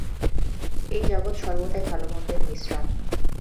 এই জগৎ সর্বদাই ভাল-মন্দের মিশ্রণ।